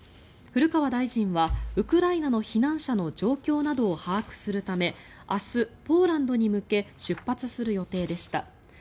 古川大臣はウクライナの避難者の状況などを把握するため明日、ポーランドに向け出発する予定でした。